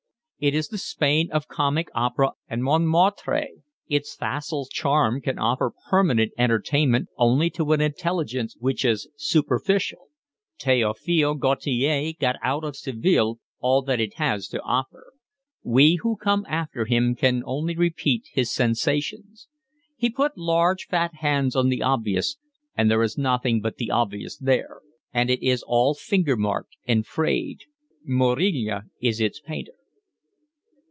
It is the Spain of comic opera and Montmartre. Its facile charm can offer permanent entertainment only to an intelligence which is superficial. Theophile Gautier got out of Seville all that it has to offer. We who come after him can only repeat his sensations. He put large fat hands on the obvious and there is nothing but the obvious there; and it is all finger marked and frayed. Murillo is its painter."